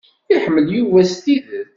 Iḥemmel Yuba s tidet.